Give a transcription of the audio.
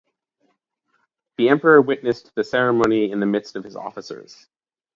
The emperor witnessed the ceremony in the midst of his officers.